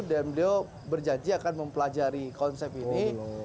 beliau berjanji akan mempelajari konsep ini